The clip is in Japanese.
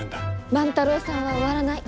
万太郎さんは終わらない！